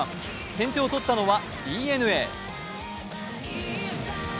先手をとったのはＤｅＮＡ。